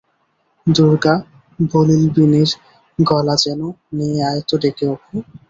দুর্গা বলিলবিনির গলা যেন-নিয়ে আয় তো ডেকে অপু।